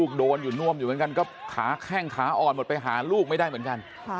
ก็แข่งขาอ่อนหมดไปหาลูกไม่ได้เหมือนกัน